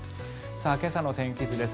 今朝の天気図です。